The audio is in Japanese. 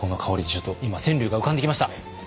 ちょっと今川柳が浮かんできました。